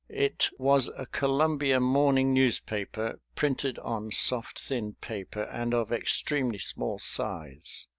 It was a Columbia morning newspaper printed on soft thin paper and of extremely small size.